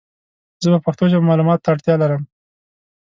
زه په پښتو ژبه مالوماتو ته اړتیا لرم